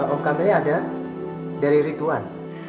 om kamil ada dari ridwan